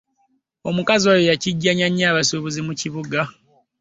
Omukazi oyo yakiggyanya nnyo abasuubuzi mu kibuga.